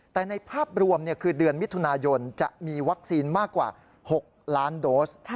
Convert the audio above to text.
แต่ในภาพรวมคือเดือนมิถุนายนจะมีวัคซีนมากกว่า๖ล้านโดส